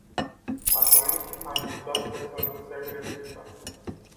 Atunci, am miza pe soluția greșită.